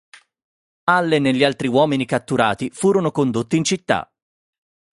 Allen e gli altri uomini catturati furono condotti in città.